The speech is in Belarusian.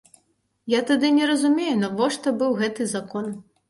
Я тады не разумею, навошта быў гэты закон.